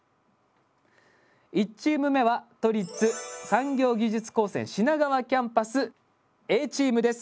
１チーム目は都立産業技術高専品川キャンパスＡチームです。